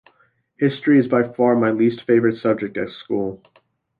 History is by far my least favourite subject at school.